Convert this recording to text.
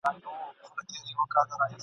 ځاي پر ځای به وي ولاړي ټولي ژرندي !.